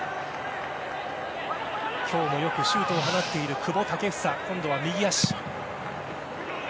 今日もよくシュートを放っている久保建英。今度は右足。